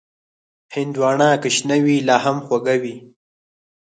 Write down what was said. هندوانه که شنه وي، لا هم خوږه وي.